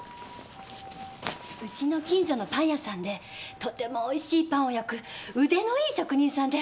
うちの近所のパン屋さんでとてもおいしいパンを焼く腕のいい職人さんで。